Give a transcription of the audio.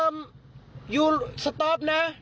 เอ่อยูสต๊อปนะ